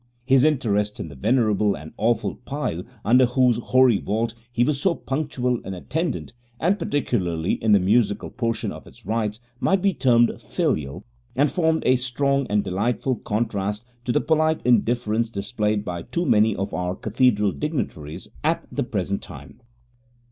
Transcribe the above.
His interest in the venerable and awful pile under whose hoary vault he was so punctual an attendant, and particularly in the musical portion of its rites, might be termed filial, and formed a strong and delightful contrast to the polite indifference displayed by too many of our Cathedral dignitaries at the present time.